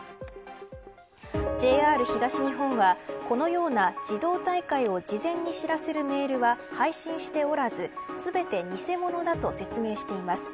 ＪＲ東日本はこのような自動退会を事前に知らせるメールは配信しておらず全て偽物だと説明しています。